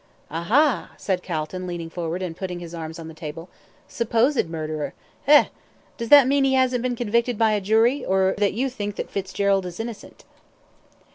"Aha!" said Calton, leaning forward, and putting his arms on the table. "Supposed murderer. Eh! Does that mean that he hasn't been convicted by a jury, or that you think that Fitzgerald is innocent?"